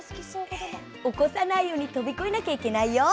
起こさないように飛び越えなきゃいけないよ。